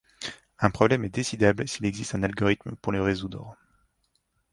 Un problème est décidable s'il existe un algorithme pour le résoudre.